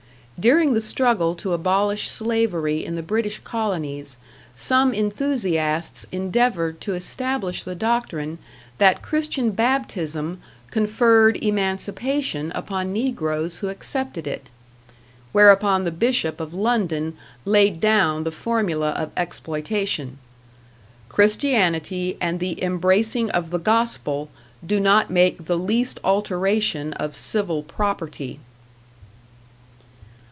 During the struggle to abolish slavery in the British colonies, some enthusiasts endeavored to establish the doctrine that Christian baptism conferred emancipation upon negroes who accepted it; whereupon the Bishop of London laid down the formula of exploitation: "Christianity and the embracing of the gospel do not make the least alteration of civil property."